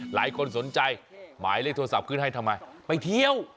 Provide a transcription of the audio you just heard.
หลายคนสนใจหมายเลขโทรศัพท์ขึ้นให้ทำไมไปเที่ยว